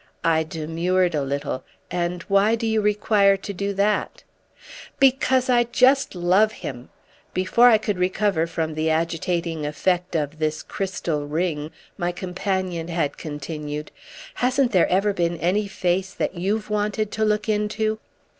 I demurred a little. "And why do you require to do that?" "Because I just love him!" Before I could recover from the agitating effect of this crystal ring my companion had continued: "Hasn't there ever been any face that you've wanted to look into?"